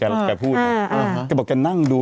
หมัดระหว่างแมนยูกับลิเวอร์ภู